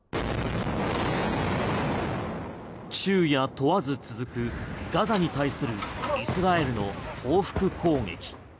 昼夜問わず続くガザに対するイスラエルの報復攻撃。